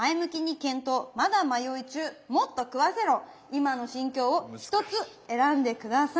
今の心境を１つ選んで下さい。